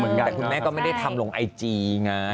แต่คุณแม่ก็ไม่ได้ทำลงไอจีไง